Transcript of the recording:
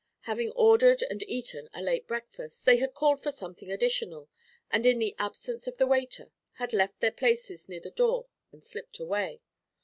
Having ordered and eaten a late breakfast, they had called for something additional, and in the absence of the waiter had left their places near the door and slipped away.